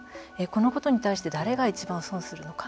このことに対して誰がいちばん損をするのか。